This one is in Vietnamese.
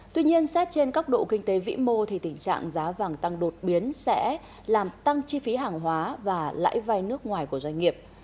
tuy nhiên xét trên cấp độ kinh tế vĩ mô thì tình trạng giá vàng tăng đột biến sẽ làm tăng chi phí hàng hóa và lãi vai nước ngoài của doanh nghiệp